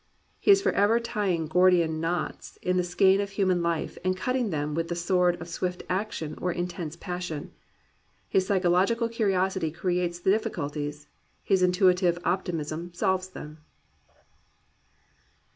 He is forever tying Gordian knots in the skein of human life and cutting them with the sword of swift action or intense passion. His psychological curiosity creates the difficulties, his intuitive op timism solves them.